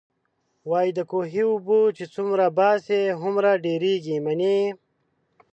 وايي د کوهي اوبه چې څومره باسې، هومره ډېرېږئ. منئ يې؟